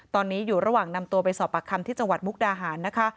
ตอนนี้อยู่ระหว่างนำตัวไปสอบปากคำที่จังหวัดมุกดาหารนะคะ